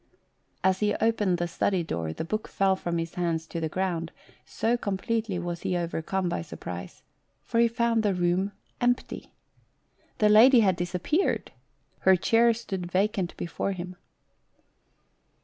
As he opened the study door, the book fell from his hands to the ground, so completely was he overcome by surprise, for he found the room empty. The lady had dis appeared ; her chair stood vacant before him.